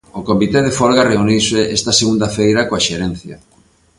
O comité de folga reuniuse esta segunda feira coa Xerencia.